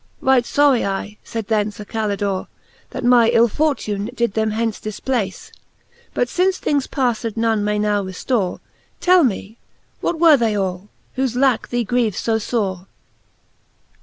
Right fory I, faide then Sir Calidore, That my ill fortune did them hence difplace. But fince things pafTed none may now reftore. Tell me, what were they all, whofe lacke thee grieves Co fore.